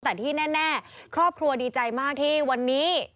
แต่ที่แน่ครอบครัวดีใจมากที่วันนี้